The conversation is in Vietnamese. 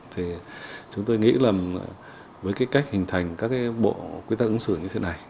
thì chúng tôi nghĩ là với cái cách hình thành các cái bộ quy tắc ứng xử như thế này